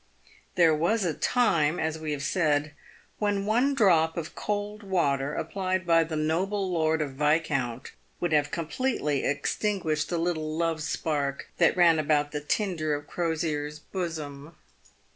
There was a time, as we have said, when one drop of cold water applied by the noble lord or viscount, would have completely extin guished the little love spark that ran about the tinder of Crosier's bosom.